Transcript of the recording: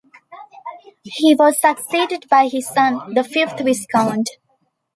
He was succeeded by his son, the fifth Viscount.